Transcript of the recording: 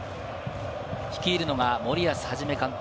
率いるのが森保一監督。